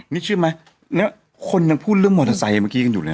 นี่เชื่อไหมแล้วคนยังพูดเรื่องมอเตอร์ไซค์เมื่อกี้กันอยู่แล้ว